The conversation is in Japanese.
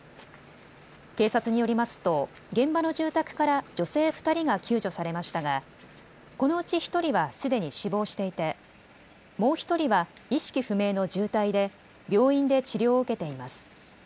警察によりますと現場の住宅から女性２人が救助されましたがこのうち１人はすでに死亡していてもう１人は意識不明の重体で病院で治療を受けています。